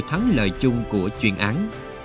thắng lợi chung của chuyện án